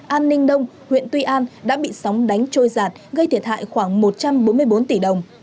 an ninh đông huyện tuy an đã bị sóng đánh trôi giạt gây thiệt hại khoảng một trăm bốn mươi bốn tỷ đồng